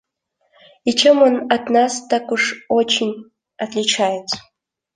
И чем он от нас так уж очень отличается?